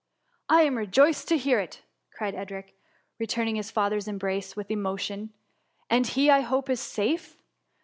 I am rejoiced to hear it," cried Edric, re turning his father^s embrace with emotion, ^^ and he, I hope, is safe